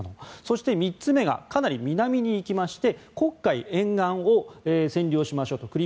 そして３つ目がかなり南に行きまして黒海沿岸を占領しましょうと。